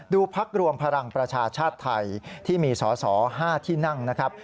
พักรวมพลังประชาชาติไทยที่มีสอสอ๕ที่นั่งนะครับ